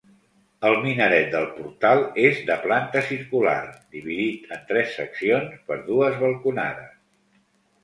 El minaret del portal és de planta circular, dividit en tres seccions per dues balconades.